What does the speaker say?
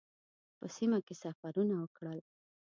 په سیمه کې سفرونه وکړل.